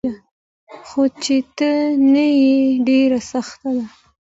خو چي ته نه يي ډيره سخته ده